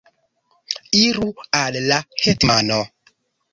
Iru al la hetmano!